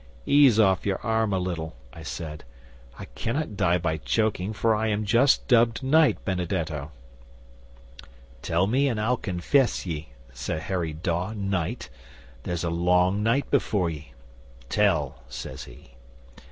'"Ease off your arm a little," I said. "I cannot die by choking, for I am just dubbed knight, Benedetto." '"Tell me, and I'll confess ye, Sir Harry Dawe, Knight. There's a long night before ye. Tell," says he.